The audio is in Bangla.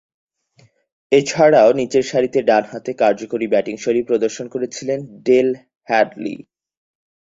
এছাড়াও, নিচেরসারিতে ডানহাতে কার্যকরী ব্যাটিংশৈলী প্রদর্শন করেছেন ডেল হ্যাডলি।